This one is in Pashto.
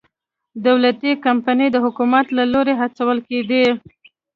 دولتي کمپنۍ د حکومت له لوري هڅول کېدې.